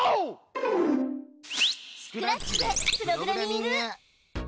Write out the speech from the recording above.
スクラッチでプログラミング！